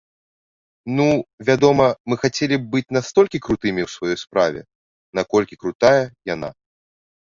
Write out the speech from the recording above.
Ну, вядома, мы хацелі б быць настолькі крутымі ў сваёй справе, наколькі крутая яна.